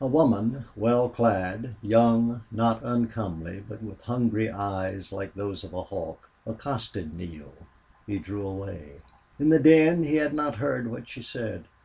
A woman, well clad, young, not uncomely, but with hungry eyes like those of a hawk, accosted Neale. He drew away. In the din he had not heard what she said.